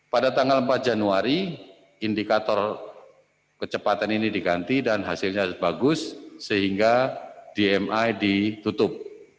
pada tanggal empat januari indikator kecepatan ini diganti dan hasilnya bagus sehingga dmi ditutup